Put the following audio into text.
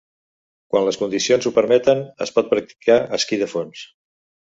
Quan les condicions ho permeten, es pot practicar esquí de fons.